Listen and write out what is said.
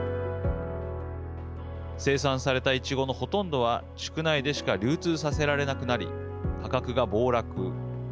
生産されたイチゴのほとんどは地区内でしか流通させられなくなり価格が暴落。